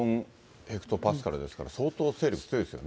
ヘクトパスカルですから、相当勢力強いですよね。